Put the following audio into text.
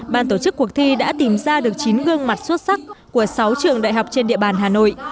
ban tổ chức cuộc thi đã tìm ra được chín gương mặt xuất sắc của sáu trường đại học trên địa bàn hà nội